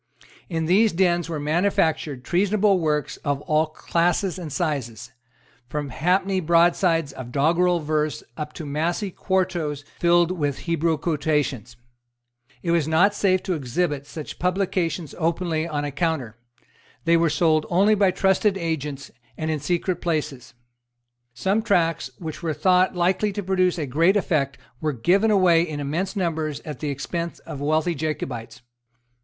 In these dens were manufactured treasonable works of all classes and sizes, from halfpenny broadsides of doggrel verse up to massy quartos filled with Hebrew quotations. It was not safe to exhibit such publications openly on a counter. They were sold only by trusty agents, and in secret places. Some tracts which were thought likely to produce a great effect were given away in immense numbers at the expense of wealthy Jacobites.